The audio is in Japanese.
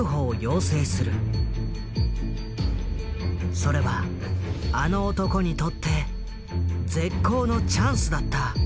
それはあの男にとって絶好のチャンスだった。